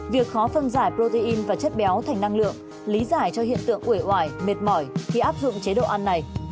việc khó phân giải protein và chất béo thành năng lượng lý giải cho hiện tượng ủi oải mệt mỏi khi áp dụng chế độ ăn này